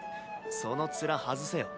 そのツラ外せよ。